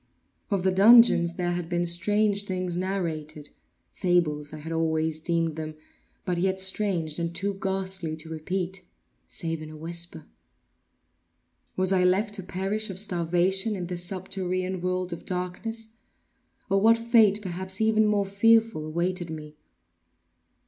Of the dungeons there had been strange things narrated—fables I had always deemed them—but yet strange, and too ghastly to repeat, save in a whisper. Was I left to perish of starvation in this subterranean world of darkness; or what fate, perhaps even more fearful, awaited me?